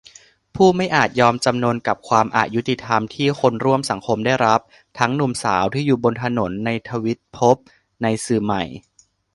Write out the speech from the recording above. ผู้ไม่อาจยอมจำนนกับความอยุติธรรมที่คนร่วมสังคมได้รับ ทั้งหนุ่มสาวที่อยู่บนถนน ในทวิตภพ ในสื่อใหม่